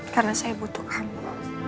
karena saya butuh kamu